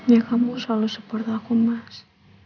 ya kamu selalu support aku mas